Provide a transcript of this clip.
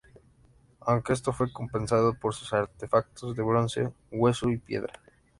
Aunque esto fue compensado por sus artefactos de bronce, hueso y piedra.